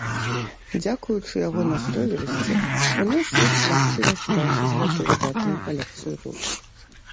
Дзякуючы яго настойлівасці, у нас ёсць магчымасць бачыць гэтую выдатную калекцыю тут.